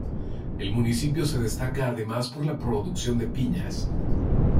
El municipio se destaca además por la producción de piñas.